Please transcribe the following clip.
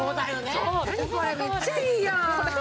何これめっちゃいいやん。